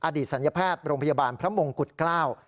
อดีตสัญญาแพทย์โรงพยาบาลพระมงกุฎเกล้า